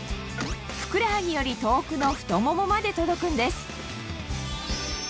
ふくらはぎより遠くの太ももまで届くんです